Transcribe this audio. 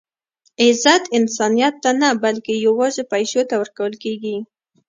عزت انسانیت ته نه؛ بلکي یوازي پېسو ته ورکول کېږي.